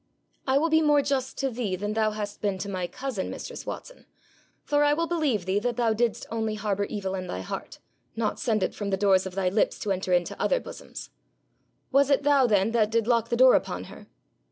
'I will be more just to thee than thou hast been to my cousin, mistress Watson, for I will believe thee that thou didst only harbour evil in thy heart, not send it from the doors of thy lips to enter into other bosoms. Was it thou then that did lock the door upon her?'